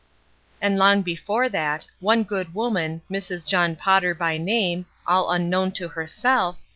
And long before that, one good woman, Mrs. John Potter by name, all unknown to herself